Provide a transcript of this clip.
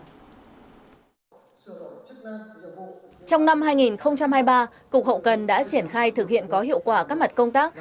trong năm hai nghìn hai mươi ba cục hậu cần đã triển khai thực hiện có hiệu quả các mặt công tác